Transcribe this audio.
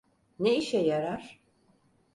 Ne işe yarar?